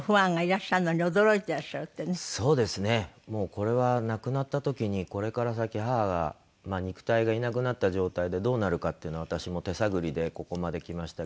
もうこれは亡くなった時にこれから先母が肉体がいなくなった状態でどうなるかっていうのは私も手探りでここまできましたけど。